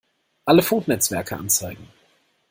Alle Funknetzwerke anzeigen!